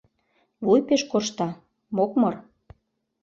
Вуй пеш коршта: мокмыр...